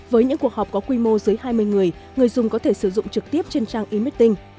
với những cuộc họp có quy mô dưới hai mươi người người dùng có thể sử dụng trực tiếp trên trang emiting